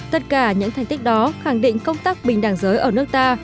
tất cả những thành tích đó khẳng định công tác bình đẳng giới ở nước ta